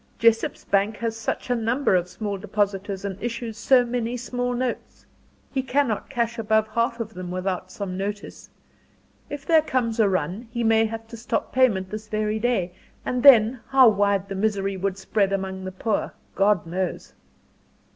Jessop's bank has such a number of small depositors and issues so many small notes. He cannot cash above half of them without some notice. If there comes a run, he may have to stop payment this very day; and then, how wide the misery would spread among the poor, God knows."